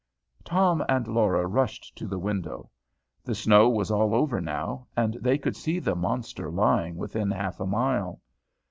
Tom and Laura rushed to the window; the snow was all over now, and they could see the monster lying within half a mile.